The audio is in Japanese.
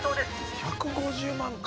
１５０万か。